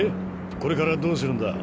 これからどうするんだ？